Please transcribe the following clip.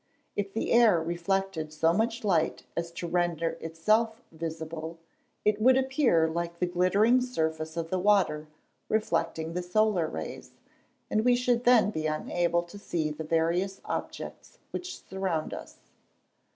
If the air reflected so much light as to render itself visible, it would appear like the glittering surface of the water reflecting the solar rays, and we should then be unable to see the various objects which surround us.